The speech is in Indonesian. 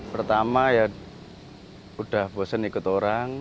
pertama ya udah bosen ikut orang